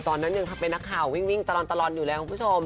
ตอนนั้นยังเป็นนักข่าววิ่งตลอดอยู่แล้วคุณผู้ชม